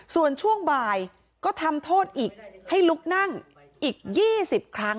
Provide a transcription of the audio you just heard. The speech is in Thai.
ส่วนช่วงบ่ายก็ทำโทษอีกให้ลุกนั่งอีก๒๐ครั้ง